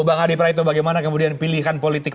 bang adi praitno bagaimana kemudian pilihan politik